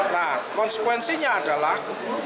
nah konsekuensinya adalah